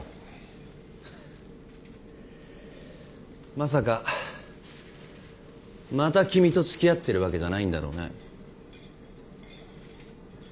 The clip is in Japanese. まさかまた君とつきあってるわけじゃないんだろうね。